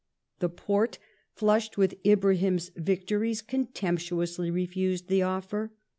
The Porte, flushed with Ibrahim's victories, contemptuously refused the offer.